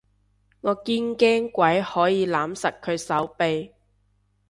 我堅驚鬼可以攬實佢手臂